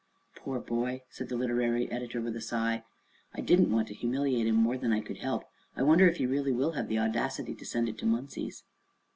"Poor boy!" said the literary editor, with a sigh. "I didn't want to humiliate him more than I could help. I wonder if he really will have the audacity to send it to Munsey's?"